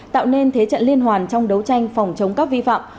tạo nên thế trận liên hoàn trong đấu tranh phòng chống các vi phạm